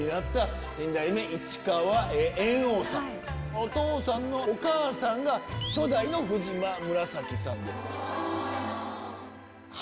お父さんのお母さんが初代の藤間紫さん。